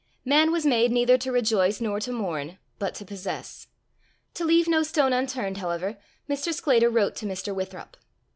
Man was made neither to rejoice nor to mourn, but to possess. To leave no stone unturned, however, Mr. Sclater wrote to Mr. Withrop.